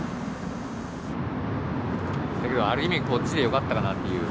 だけどある意味こっちでよかったかなっていう。